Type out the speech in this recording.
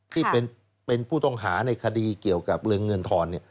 ที่เป็นผู้ต้องหาในคดีเกี่ยวกับเรื่องเงินทอน